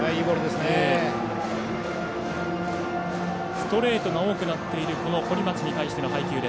ストレートが多くなっている堀町に対しての配球。